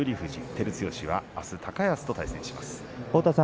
照強はあす高安と対戦します。